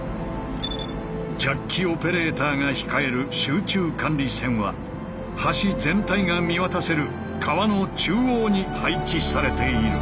ジャッキオペレーターが控える集中管理船は橋全体が見渡せる川の中央に配置されている。